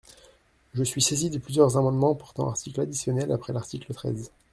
Je suis saisi de plusieurs amendements portant articles additionnels après l’article treize.